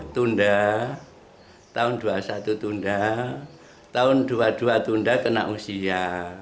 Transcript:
tunda tahun dua puluh satu tunda tahun dua ribu dua puluh dua tunda kena usia